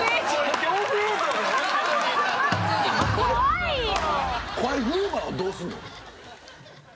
怖いよ。